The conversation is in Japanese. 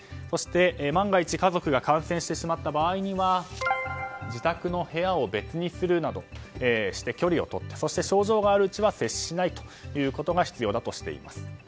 そして、万が一家族が感染してしまった場合には自宅の部屋を別にするなどして距離をとってそして症状があるうちは接しないということが必要だとしています。